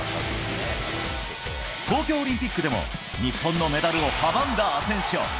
東京オリンピックでも日本のメダルを阻んだアセンシオ。